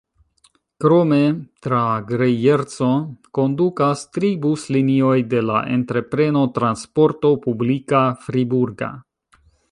Krome tra Grejerco kondukas tri buslinioj de la entrepreno Transporto Publika Friburga.